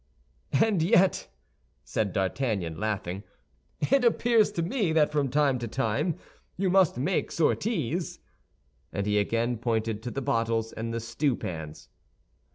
"And yet," said D'Artagnan, laughing, "it appears to me that from time to time you must make sorties." And he again pointed to the bottles and the stewpans.